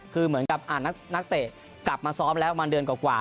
คือเหมือนกับนักเตะกลับมาซ้อมแล้วประมาณเดือนกว่า